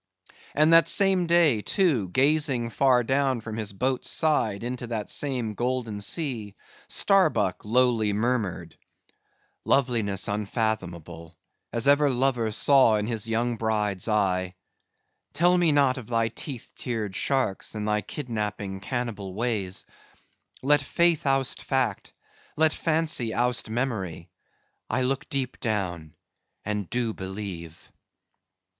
And that same day, too, gazing far down from his boat's side into that same golden sea, Starbuck lowly murmured:— "Loveliness unfathomable, as ever lover saw in his young bride's eye!—Tell me not of thy teeth tiered sharks, and thy kidnapping cannibal ways. Let faith oust fact; let fancy oust memory; I look deep down and do believe."